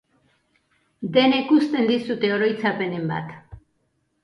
Denek uzten dizute oroitzapenen bat.